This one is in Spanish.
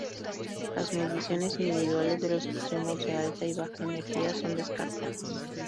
Las mediciones individuales de los extremos de alta y baja energía son descartadas.